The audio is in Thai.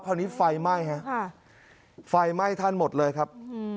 คราวนี้ไฟไหม้ฮะไฟไหม้ท่านหมดเลยครับ